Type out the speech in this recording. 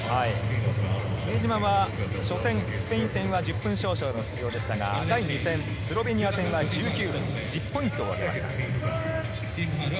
比江島は初戦のスペイン戦は１０分少々の出場でしたが第２戦、スロベニア戦は、１９分で１０ポイント上げました。